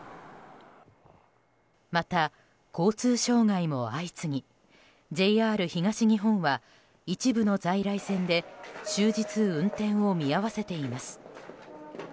また、交通障害も相次ぎＪＲ東日本は一部の在来線で終日運転を見合わせています。